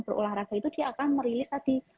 berolahraga itu dia akan merilis tadi